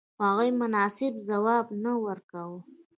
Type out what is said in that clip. هغوی مناسب ځواب نه ورکاوه.